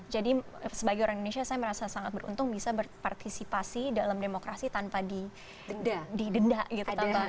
jadi sebagai orang indonesia saya merasa sangat beruntung bisa berpartisipasi dalam demokrasi tanpa didenda gitu